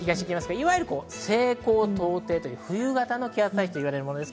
いわゆる西高東低という冬型の気圧配置といわれるものです。